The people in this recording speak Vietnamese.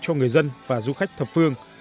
cho người dân và du khách thập phương